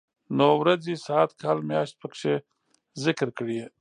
نو ورځې ،ساعت، کال ،مياشت پکې ذکر کړي.